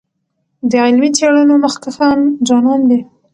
د علمي څېړنو مخکښان ځوانان دي.